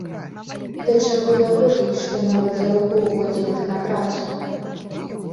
Да чаго даходзіць, што нават за руку водзім іх на працу.